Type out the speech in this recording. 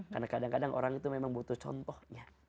karena kadang kadang orang itu memang butuh contohnya